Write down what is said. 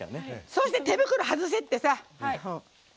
そして、手袋外せってさ。